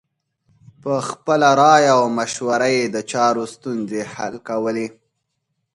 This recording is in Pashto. په خپله رایه او مشوره یې د چارو ستونزې حل کولې.